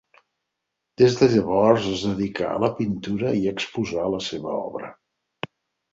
Des de llavors es dedicà a la pintura i a exposar la seva obra.